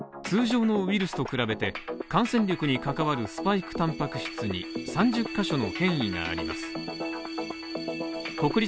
通常のウイルスと比べて感染力に関わるスパイクタンパク質３０ヶ所に変異があります。